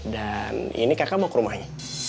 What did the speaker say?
dan ini kakak bawa ke rumahnya